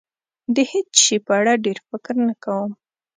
د هېڅ شي په اړه ډېر فکر نه کوم.